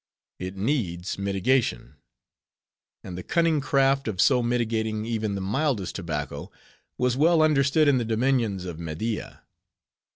It needs mitigation. And the cunning craft of so mitigating even the mildest tobacco was well understood in the dominions of Media.